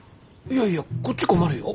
いやいやこっち困るよ。